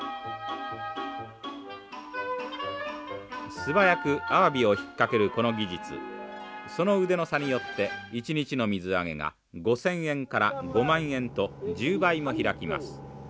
素早くアワビを引っかけるこの技術その腕の差によって１日の水揚げが５，０００円から５万円と１０倍も開きます。